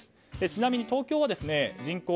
ちなみに東京は人口